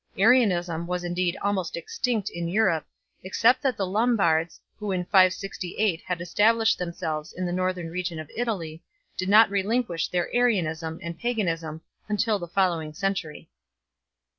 Arianism was indeed almost extinct in Europe, except that the Lombards, who in 568 had established themselves in the northern region of Italy, did not relinquish their Arianism and paganism until the following century.